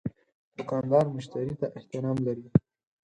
دوکاندار مشتری ته احترام لري.